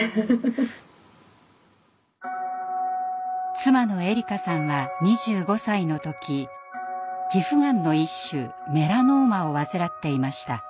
妻のえりかさんは２５歳の時皮膚がんの一種メラノーマを患っていました。